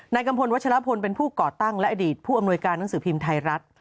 กัมพลวัชลพลเป็นผู้ก่อตั้งและอดีตผู้อำนวยการหนังสือพิมพ์ไทยรัฐ